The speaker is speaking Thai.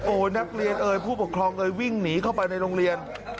นักเรียนเอ่ยผู้ปกครองเอ่ยวิ่งหนีเข้าไปในโรงเรียน